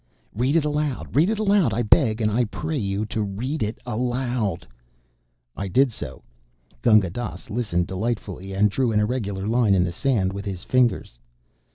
"Read it aloud! Read it aloud! I beg and I pray you to read it aloud." I did so. Gunga Dass listened delightedly, and drew an irregular line in the sand with his fingers.